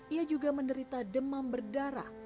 ia juga menderita demam berdarah